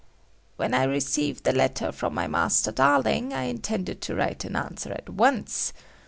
"When I received the letter from my Master Darling, I intended to write an answer at once.